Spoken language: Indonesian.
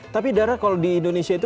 tapi darah kalau di indonesia itu